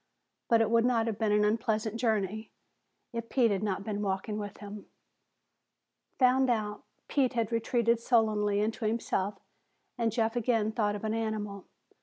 But it would not have been an unpleasant journey if Pete had not been walking with him. Found out, Pete had retreated sullenly into himself and Jeff again thought of an animal.